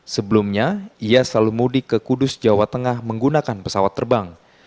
sebelumnya ia selalu mudik ke kudus jawa tengah menggunakan pesawat terbang